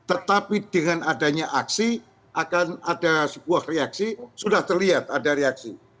tetapi dengan adanya aksi akan ada sebuah reaksi sudah terlihat ada reaksi